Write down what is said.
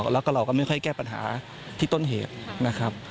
แล้วก็เราก็ไม่ค่อยแก้ปัญหาที่ต้นเหตุนะครับ